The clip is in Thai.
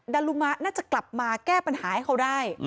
ดารุมะน่าจะกลับมาแก้ปัญหาให้เขาได้